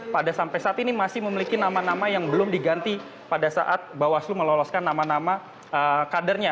pada sampai saat ini masih memiliki nama nama yang belum diganti pada saat bawaslu meloloskan nama nama kadernya